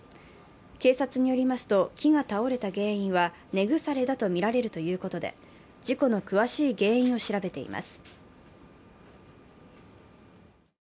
警察によりますと、木が倒れた原因は、根腐れだとみられるということで、事故の詳しい原因を調べています。